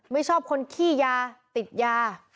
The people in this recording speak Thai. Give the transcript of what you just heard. ไม่ชอบคนขี้ยาติดยา